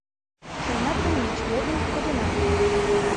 Шерна теммеш модын кодына.